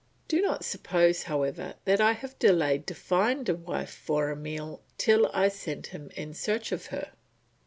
Do not suppose, however, that I have delayed to find a wife for Emile till I sent him in search of her.